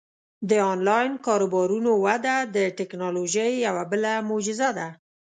د آنلاین کاروبارونو وده د ټیکنالوژۍ یوه بله معجزه ده.